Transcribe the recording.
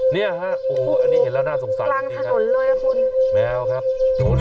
นั่นไงต่างถนนเลยครับคุณ